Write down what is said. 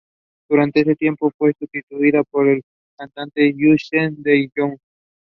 This was the first public library in the New Territories.